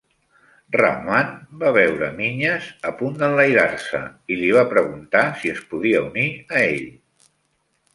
Rahman va veure Minhas a punt d'enlairar-se i li va preguntar si es podia unir a ell.